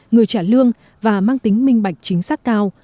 người trả lương và mang tính minh bạch chính xác cao